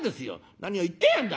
『何を言ってやがんだ』